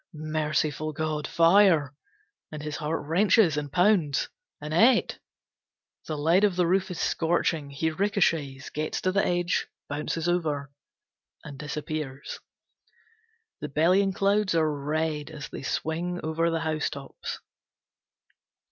Merciful God! Fire! And his heart wrenches and pounds "Annette!" The lead of the roof is scorching, he ricochets, gets to the edge, bounces over and disappears. The bellying clouds are red as they swing over the housetops.